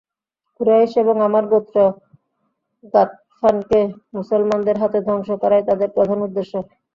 কুরাইশ এবং আমার গোত্র গাতফানকে মুসলমানদের হাতে ধ্বংস করাই তাদের প্রধান উদ্দেশ্য।